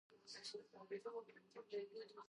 აქვეყნებდა ემიგრანტულ პრესაში.